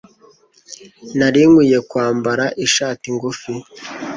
Nari nkwiye kwambara ishati ngufi.